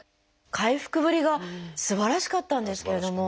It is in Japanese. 回復ぶりがすばらしかったんですけれども。